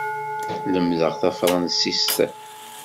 Lemdeɣ tafṛansist.